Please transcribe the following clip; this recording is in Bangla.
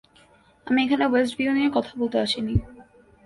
আমি এখানে ওয়েস্টভিউ নিয়ে কথা বলতে আসিনি।